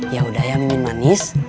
yaudah ya mimin manis